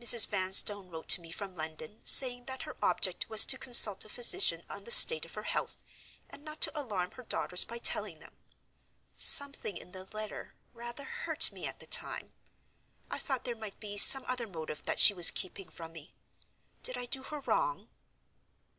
Mrs. Vanstone wrote to me from London, saying that her object was to consult a physician on the state of her health, and not to alarm her daughters by telling them. Something in the letter rather hurt me at the time. I thought there might be some other motive that she was keeping from me. Did I do her wrong?"